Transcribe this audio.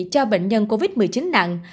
cho bệnh nhân covid một mươi chín nặng